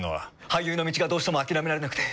俳優の道がどうしても諦められなくて。